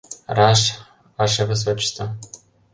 Раш, ваше высочество!